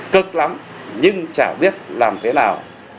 cực lắm nhưng chả biết làm thế nào